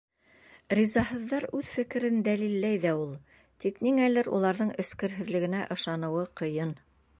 Ризаһыҙҙар үҙ фекерен дәлилләй ҙә ул, тик ниңәлер уларҙың эскерһеҙлегенә ышаныуы ҡыйын.